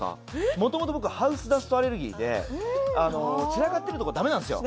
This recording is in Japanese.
元々僕ハウスダストアレルギーで散らかってるところダメなんですよ